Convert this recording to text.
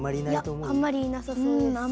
うんあんまりいなさそう。